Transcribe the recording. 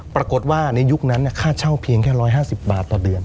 ปรากฏว่าในยุคนั้นน่ะจากเช่าเพียงแก่๑๕๐บาทต่อเดือนบ้านทั้งหลังแบบนี้นะ